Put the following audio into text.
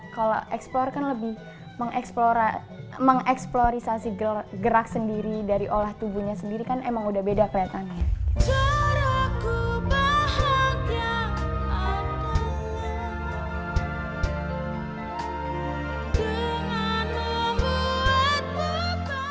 kalau eksplor kan lebih mengeksplorisasi gerak sendiri dari olah tubuhnya sendiri kan emang udah beda kelihatannya